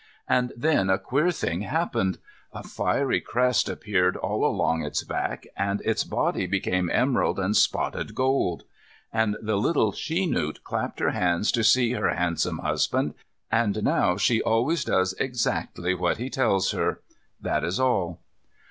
And then a queer thing happened. A fiery crest appeared all along its back, and its body became emerald and spotted gold; and the little she newt clapped her hands to see her handsome husband, and now she always does exactly what he tells her. That is all.